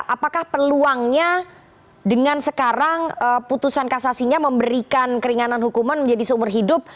apakah peluangnya dengan sekarang putusan kasasinya memberikan keringanan hukuman menjadi seumur hidup